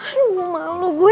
aduh malu gue